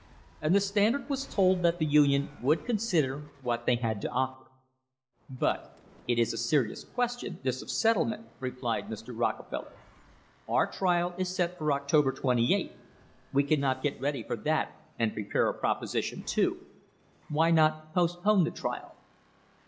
And the Standard was told that the Union would consider what they had to offer. u But it is a serious question — this of settlement," replied Mr. Rockefeller. "Our trial is set for October 28. We cannot get ready for that and prepare a proposition too. Why not postpone the trial?"